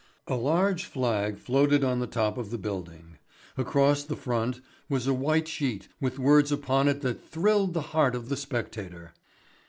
A large flag floated on the top of the building. Across the front was a white sheet with words upon it that thrilled the heart of the spectator.